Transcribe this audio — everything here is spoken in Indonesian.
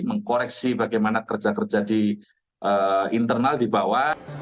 mengkoreksi bagaimana kerja kerja di internal di bawah